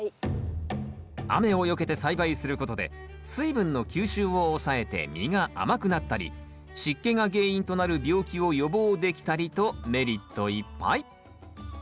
雨をよけて栽培することで水分の吸収を抑えて実が甘くなったり湿気が原因となる病気を予防できたりとメリットいっぱい。